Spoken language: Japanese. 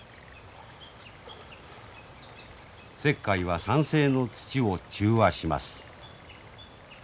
石灰は酸性の土を中和します。